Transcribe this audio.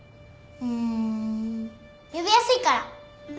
んー呼びやすいから。